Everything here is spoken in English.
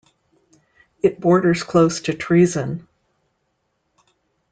It borders close to treason.